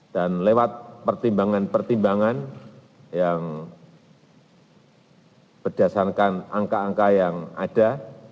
dan lewat pertimbangan pertimbangan yang berdasarkan angka angka yang ada